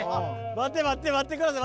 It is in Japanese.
待ってください待ってください。